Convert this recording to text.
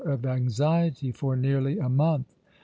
of anxiety for nearly a month.